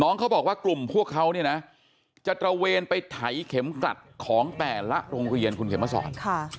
เขาบอกว่ากลุ่มพวกเขาเนี่ยนะจะตระเวนไปไถเข็มกลัดของแต่ละโรงเรียนคุณเข็มมาสอน